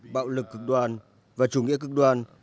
bạo lực cực đoàn và chủ nghĩa cực đoàn